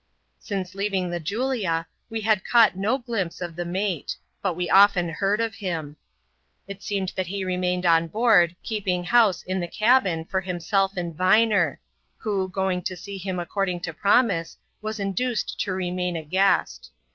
Since leaving the Julia, we had caught no glimpse of the mate ; but we often heard of him. It seemed that he remained on board, keeping house in the cabin for himself and Viner ;. who, going to see him according to promise, was induced to remain a guest.